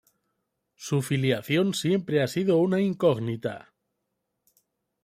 Su filiación siempre ha sido una incógnita.